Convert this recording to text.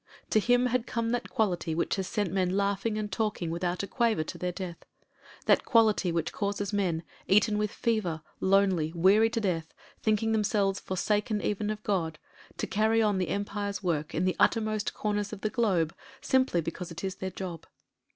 To him had come that quality which has sent men laughing and talking without a quaver to their death; that quality which causes men— eaten with fever, lonely, weary to death, thinking themselves forsaken even of God — ^to carry on the Empire's work in the uttermost comers of the globe, simply because it is their job.